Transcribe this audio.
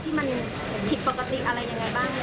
ที่มันผิดปกติอะไรยังไงบ้าง